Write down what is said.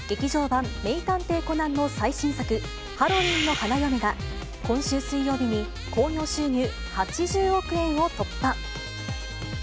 版名探偵コナンの最新作、ハロウィンの花嫁が、今週水曜日に、興行収入８０億円を突破。